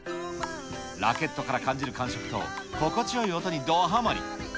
ラケットから感じる感触と、心地よい音にどハマり。